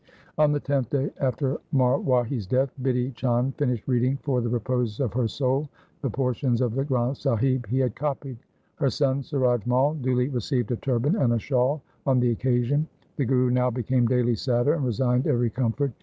On the tenth day after Marwahi's death Bidhi Chand finished reading for the repose of her soul the portions of the Granth Sahib he had copied. Her son Suraj Mai duly received a turban and a shawl on the occasion. The Guru now became daily sadder and resigned every comfort.